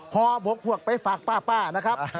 ฮอบกหวกไปฝากป้าป้านะครับ